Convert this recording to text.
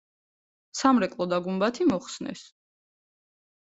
სამრეკლო და გუმბათი მოხსნეს.